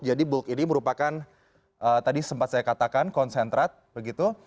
jadi bulk ini merupakan tadi sempat saya katakan konsentrat